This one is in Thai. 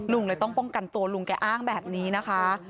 ลุงเลยต้องป้องกันตัวลุงแกอ้างแบบนี้นะคะ